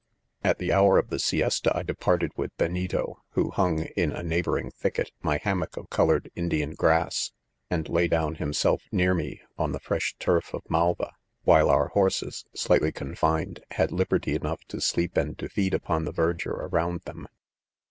" At the hour of the siesta I departed with Benito, who hung, in a neighboring thicket, my hamiriock of coloured ndian grass ; and lay down, himself, near nie, on the fresh' turf of nialva — while our horses slightly confined? had liberty enough. to sleep and to feed upon the verdure around them.